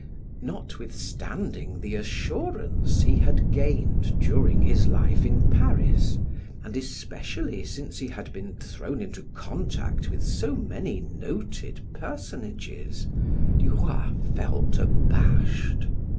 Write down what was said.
Notwithstanding the assurance he had gained during his life in Paris, and especially since he had been thrown in contact with so many noted personages, Duroy felt abashed.